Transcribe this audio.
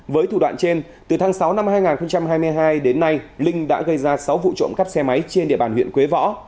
với thủ đoạn trên từ tháng sáu năm hai nghìn hai mươi hai đến nay linh đã gây ra sáu vụ trộm cắp xe máy trên địa bàn huyện quế võ